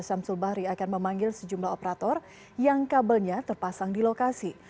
samsul bahri akan memanggil sejumlah operator yang kabelnya terpasang di lokasi